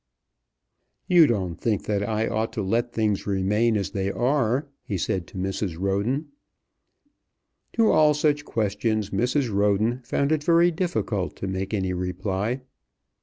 "You don't think that I ought to let things remain as they are," he said to Mrs. Roden. To all such questions Mrs. Roden found it very difficult to make any reply.